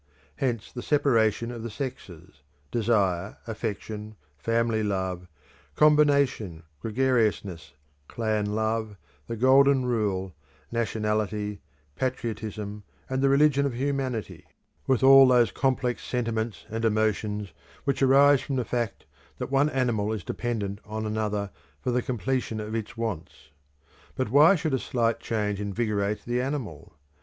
Hence the separation of the sexes, desire, affection, family love, combination, gregariousness, clan love, the Golden Rule, nationality, patriotism, and the religion of humanity, with all those complex sentiments and emotions which arise from the fact that one animal is dependent on another for the completion of its wants. But why should a slight change invigorate the animal?